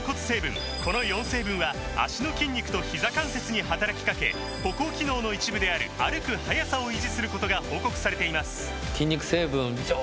この４成分は脚の筋肉とひざ関節に働きかけ歩行機能の一部である歩く速さを維持することが報告されています